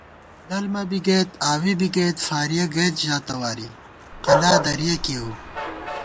للمہ بی گئیت آوِی بی گَئیت، فارِیَہ گئیت ژا تواری قلا درِیَہ کېؤ